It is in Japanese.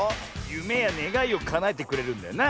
ゆめやねがいをかなえてくれるんだよな。